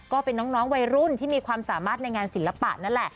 ก็เป็นน้องวัยรุ่นที่มีความสามารถในงานศิลปะนั่นแหละ